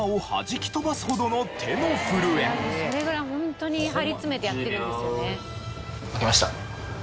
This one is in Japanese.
「それぐらいホントに張り詰めてやってるんですよね」